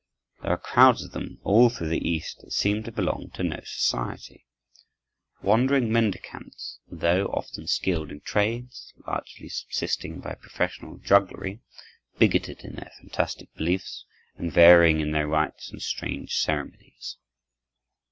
There are crowds of them all through the East that seem to belong to no society, wandering mendicants, and, though often skilled in trades, largely subsisting by professional jugglery, bigoted in their fantastic beliefs, and varying in their rites and strange ceremonies.